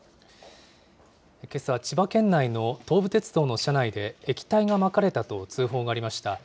けさ、千葉県内の東武鉄道の車内で、液体がまかれたと通報がありました。